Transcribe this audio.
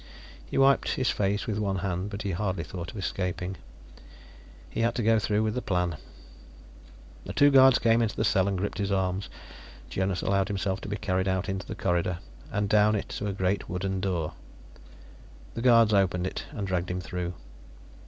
He wiped his face with one hand, but he hardly thought of escaping. He had to go through with the plan. The two guards came into the cell and gripped his arms. Jonas allowed himself to be carried out into the corridor, and down it to a great wooden door. The guards opened it, and dragged him through.